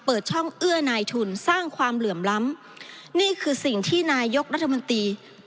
เปิดช่องเอื้อนายทุนสร้างความเหลื่อมล้ำนี่คือสิ่งที่นายกรัฐมนตรี